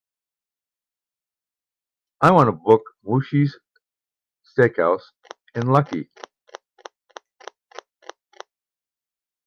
I want to book Moishes Steakhouse in Lucky.